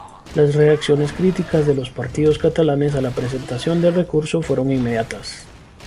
Las reacciones críticas de los partidos catalanes a la presentación del recurso fueron inmediatas.